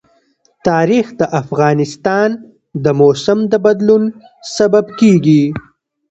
تاریخ د افغانستان د موسم د بدلون سبب کېږي.